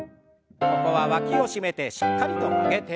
ここはわきを締めてしっかりと曲げて。